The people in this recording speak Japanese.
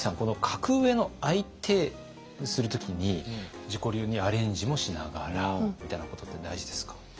格上の相手をする時に自己流にアレンジもしながらみたいなことって大事ですか？